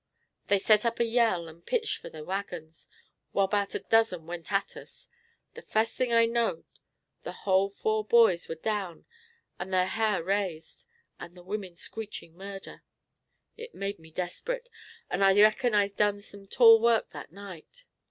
They set up a yell and pitched fur the wagons, while 'bout a dozen went at us. The fust thing I knowed the whole four boys were down and thar ha'r raised, and the women screechin' murder. It made me desprit, and I reckon I done some tall work that night.